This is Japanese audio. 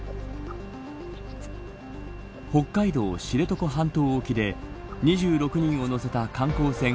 北海道、知床半島沖で２６人を乗せた観光船